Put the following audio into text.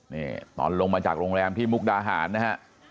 นี่ตอนลงมาจากโรงแรมที่มุกดาหารนะฮะ